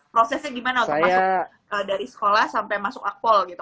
prosesnya gimana untuk masuk dari sekolah sampai masuk akpol gitu